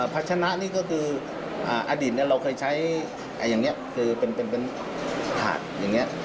พัชนะนี่ก็คืออดีตเราเคยใช้อย่างนี้คือเป็นถาดอย่างนี้